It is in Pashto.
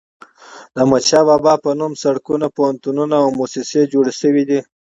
د احمد شاه بابا په نوم سړکونه، پوهنتونونه او موسسې جوړي سوي دي.